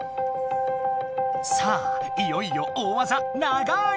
さあいよいよ大わざ長い